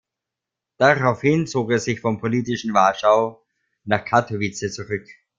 Daraufhin zog er sich vom politischen Warschau nach Katowice zurück.